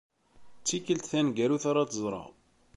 D tikelt taneggarut ara tt-ẓreɣ.